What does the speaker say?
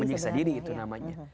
menyiksa diri itu namanya